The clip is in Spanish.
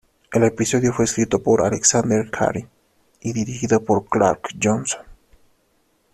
El episodio fue escrito por Alexander Cary, y dirigido por Clark Johnson.